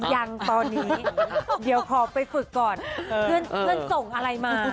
ยังตอนนี้เดี๋ยวขอไปฝึกก่อนเพื่อนส่งอะไรมา